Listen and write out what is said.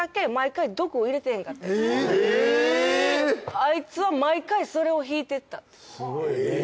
アイツは毎回それを引いてったって。